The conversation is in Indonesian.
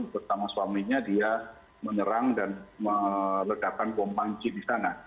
bersama suaminya dia menyerang dan meledakan bom panci di sana